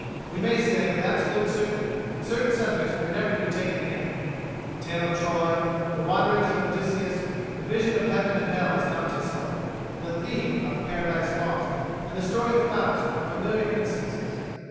We may say with absolute certainty that certain subjects are never to be taken again. The tale of Troy, the wanderings of Odysseus, the vision of Heaven and Hell as Dante saw it, the theme of 'Paradise Lost,' and the story of Faust are familiar instances.